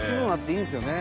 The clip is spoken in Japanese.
いいですよね。